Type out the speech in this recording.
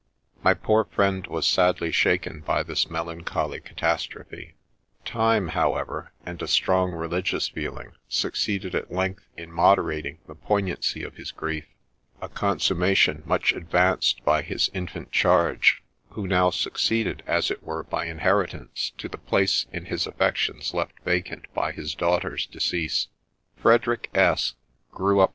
My poor friend was sadly shaken by this melancholy cata strophe ; time, however, and a strong religious feeling, succeeded at length in moderating the poignancy of his grief — a consumma tion much advanced by his infant charge, who now succeeded, as it were by inheritance, to the place in his affections left vacant by his daughter's decease. Frederick S grew up.